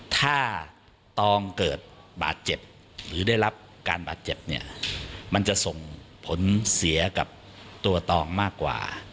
ถ้าตองเกิดบาดเจ็บหรือได้รับการบาดเจ็บเนี่ยมันจะส่งผลเสียกับตัวตองมากกว่า